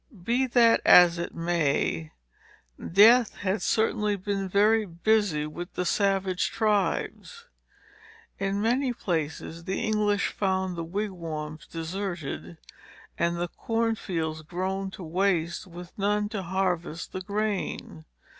Be that as it may, death had certainly been very busy with the savage tribes. In many places the English found the wigwams deserted, and the corn fields growing to waste, with none to harvest the grain.